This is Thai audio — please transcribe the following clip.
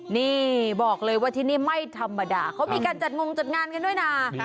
นี่บอกเลยว่าที่นี่ไม่ธรรมดาเขามีการจัดงงจัดงานกันด้วยนะ